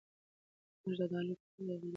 موږ د ډالۍ په توګه غالۍ واخیستې.